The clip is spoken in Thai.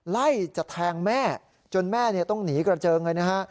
ไล่จะแทงแม่จนแม่ต้องหนีกระเจิงเลยนะฮะ